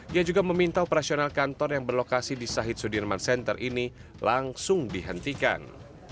dia juga meminta operasional kantor yang berlokasi di sahit sudirman center ini langsung dihentikan